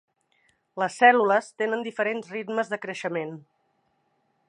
Les cèl·lules tenen diferents ritmes de creixement.